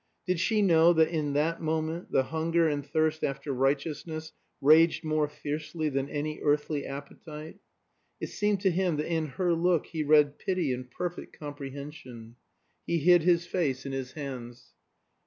Did she know that in that moment the hunger and thirst after righteousness raged more fiercely than any earthly appetite? It seemed to him that in her look he read pity and perfect comprehension. He hid his face in his hands.